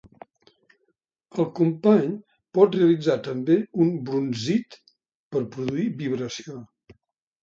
El company pot realitzar també un brunzit per produir vibració.